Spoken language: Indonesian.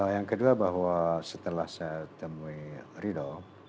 yang kedua setelah saya menemui ridho